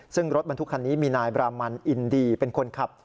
ซึ่งรถบรรทุกคันนี้มีนายบรามันอินดีเป็นคนขับ